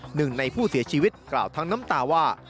หนึ่งในผู้เสียชีวิตกล่าวทั้งน้ำตาว่า